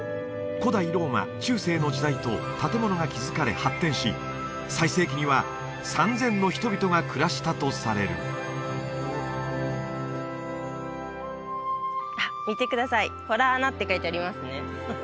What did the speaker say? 古代ローマ中世の時代と建物が築かれ発展し最盛期には３０００の人々が暮らしたとされるあっ見てください「洞穴」って書いてありますね